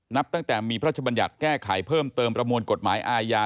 นับตั้งแต่มีพระชบัญญัติแก้ไขเพิ่มเติมประมวลกฎหมายอาญา